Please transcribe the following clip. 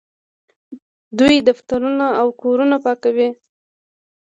دوی دفترونه او کورونه پاکوي.